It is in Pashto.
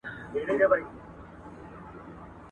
د مېچني په څېر ګرځېدی چالان وو